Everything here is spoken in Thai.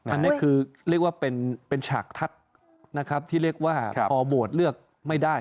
อันนี้คือเรียกว่าเป็นฉากทัศน์นะครับที่เรียกว่าพอโหวตเลือกไม่ได้